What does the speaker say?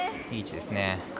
いい位置ですね。